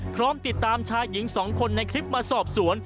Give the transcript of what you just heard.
พร้อมติดตามชายหญิง๒คนในคลิปมาสอบสวน